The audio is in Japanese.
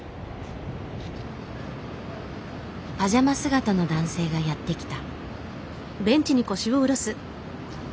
パジャマ姿の男性がやって来た。